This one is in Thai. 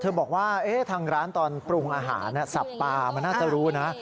บอกว่าทางร้านตอนปรุงอาหารสับปลามันน่าจะรู้นะ